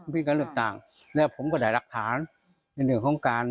พิษการเรื่องต่างแล้วผมก็ได้รักฐานในหนึ่งของการ